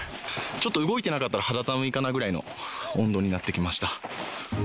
ちょっと動いてなかったら、肌寒いかなぐらいの温度になってきました。